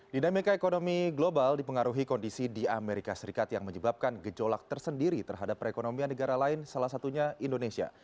dinamika ekonomi global dipengaruhi kondisi di amerika serikat yang menyebabkan gejolak tersendiri terhadap perekonomian negara lain salah satunya indonesia